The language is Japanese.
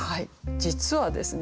実はですね